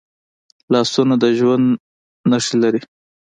لاسونه د ژوند نښې لري